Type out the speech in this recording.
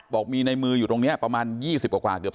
บอกมีในมืออยู่ตรงนี้ประมาณ๒๐กว่าเกือบ